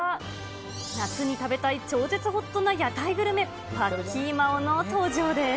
夏に食べたい超絶ホットな屋台グルメ、パッキーマオの登場です。